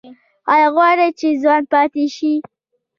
ایا غواړئ چې ځوان پاتې شئ؟